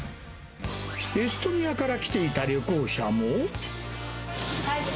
エストニアから来ていた旅行者も。